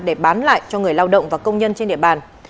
để bán lại cho người lao động và công nhân trên địa bàn